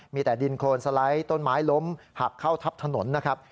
มีแต่ดินโครนสไลด์ต้นไม้ล้มหักเข้าทับถนนนะครับ